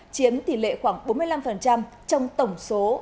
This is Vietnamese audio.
chiếm tỉ lệ khoảng bốn mươi năm